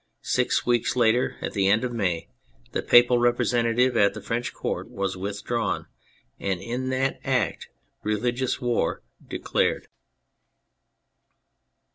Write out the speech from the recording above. Six weeks later, at the end of May, the papal representative at the French Court was with drawn, and in that act religious war declared.